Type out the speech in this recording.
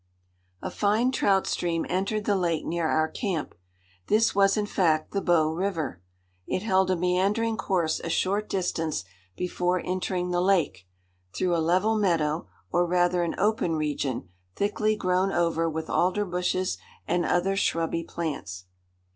_ A fine trout stream entered the lake near our camp. This was, in fact, the Bow River. It held a meandering course a short distance before entering the lake, through a level meadow, or rather an open region, thickly grown over with alder bushes and other shrubby plants.